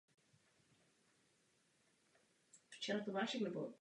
Výzkum se ale těšil zájmu a podpoře místního obyvatelstva.